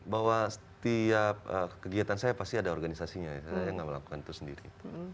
bahwa setiap kegiatan saya pasti ada organisasi nya saya gak melakukan itu sendiri